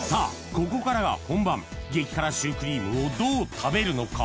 ここからが本番激辛シュークリームをどう食べるのか？